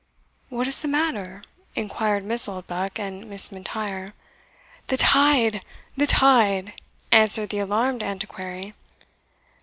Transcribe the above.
"What is the matter?" inquired Miss Oldbuck and Miss M'Intyre. "The tide! the tide!" answered the alarmed Antiquary.